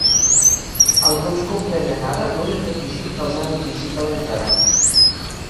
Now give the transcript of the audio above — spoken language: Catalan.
Alguns comprenen ara l'únic requisit que els han exigit a l'entrada.